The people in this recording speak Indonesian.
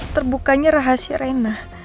terbukanya rahasia rena